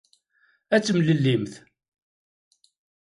Ad temlellimt.